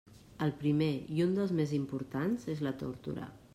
El primer, i un dels més importants, és la tórtora.